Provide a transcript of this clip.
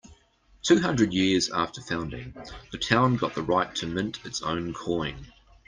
Two hundred years after founding, the town got the right to mint its own coin.